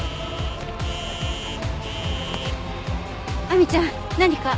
亜美ちゃん何か？